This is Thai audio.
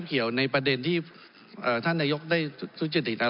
ผมเพิ่งเริ่มพูดเองท่านประธาน